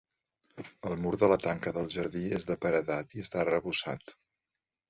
El mur de la tanca del jardí és de paredat i està arrebossat.